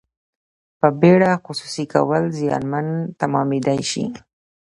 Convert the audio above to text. په بیړه خصوصي کول زیانمن تمامیدای شي.